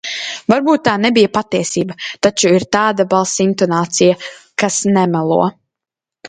Varbūt tā nebija patiesība, taču ir tāda balss intonācija, kas nemelo.